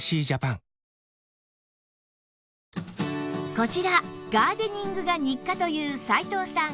こちらガーデニングが日課という斉藤さん